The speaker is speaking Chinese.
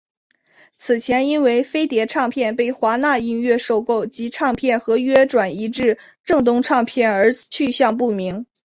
此前因为飞碟唱片被华纳音乐收购及唱片合约转移至正东唱片而去向不明。